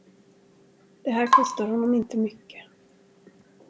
Det här kostar honom inte mycket.